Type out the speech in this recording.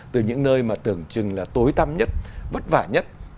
từ những nơi mà tưởng chừng là tối tâm nhất vất vả nhất